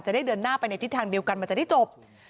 ได้เดินหน้าไปในทิศทางเดียวกันมันจะได้จบ